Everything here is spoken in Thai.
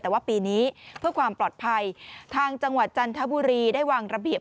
แต่ว่าปีนี้เพื่อความปลอดภัยทางจังหวัดจันทบุรีได้วางระเบียบ